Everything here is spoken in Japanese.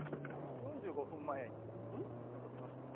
４５分前に見ましたよ。